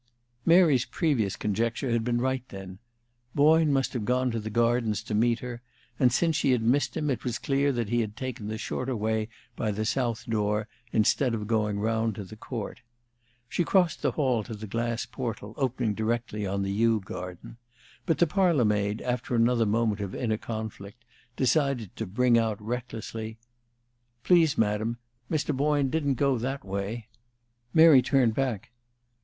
Mary's previous conjecture had been right, then. Boyne must have gone to the gardens to meet her, and since she had missed him, it was clear that he had taken the shorter way by the south door, instead of going round to the court. She crossed the hall to the glass portal opening directly on the yew garden, but the parlor maid, after another moment of inner conflict, decided to bring out recklessly, "Please, Madam, Mr. Boyne didn't go that way." Mary turned back.